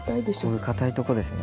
こういう硬いとこですね。